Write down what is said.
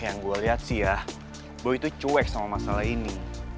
yang gue liat sih ya boy tuh cuek sama masalah ini